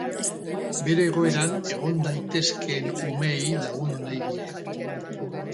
Bere egoeran egon daitezkeen umeei lagundu nahi die.